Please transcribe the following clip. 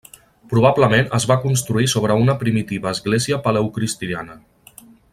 Probablement es va construir sobre una primitiva església paleocristiana.